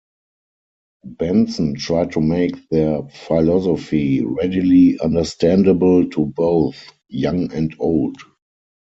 Benson tried to make their philosophy readily understandable to both young and old.